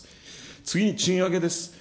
次に賃上げです。